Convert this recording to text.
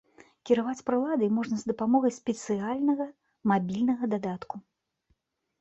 Кіраваць прыладай можна з дапамогай спецыяльнага мабільнага дадатку.